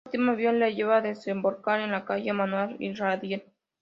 Esta última vía le lleva a desembocar en la Calle Manuel Iradier.